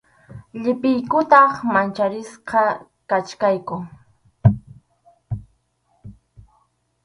Llipiykutaq mancharisqa kachkayku.